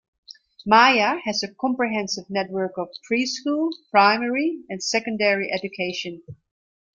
Maia has a comprehensive network of pre-school, primary, and secondary education.